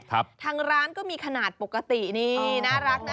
ทางร้านก็มีขนาดปกตินี่น่ารักนะ